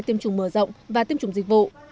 tiêm chủng mở rộng và tiêm chủng dịch vụ